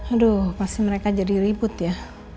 aduh pasti mereka jadi ribut ya